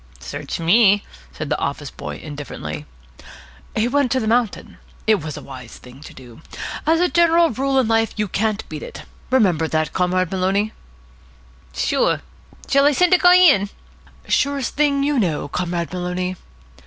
"Search me," said the office boy indifferently. "He went to the mountain. It was a wise thing to do. As a general rule in life you can't beat it. Remember that, Comrade Maloney." "Sure," said Pugsy. "Shall I send the guy in?" "Surest thing you know, Comrade Maloney."